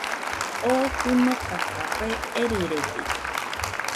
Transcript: Oo fɨnoka café erɨrede